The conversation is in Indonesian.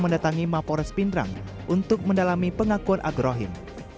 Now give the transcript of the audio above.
mendatangi mapores pindrang untuk mendalami pengakuan abrohim